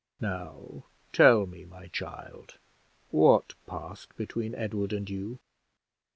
"Now tell me, my child, what passed between Edward and you."